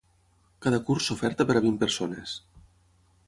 Cada curs s’oferta per a vint persones.